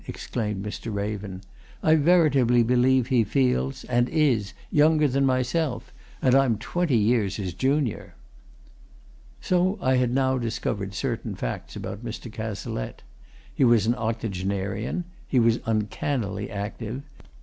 exclaimed Mr. Raven. "I veritably believe he feels and is younger than myself and I'm twenty years his junior." So I had now discovered certain facts about Mr. Cazalette. He was an octogenarian. He was uncannily active.